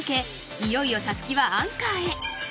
いよいよたすきはアンカーへ。